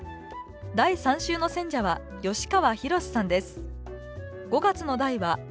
第３週の選者は吉川宏志さんです